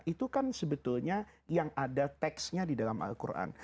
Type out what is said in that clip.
itu kan sebetulnya yang ada teksnya di dalam al quran